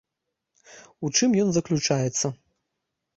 У чым ён заключаецца?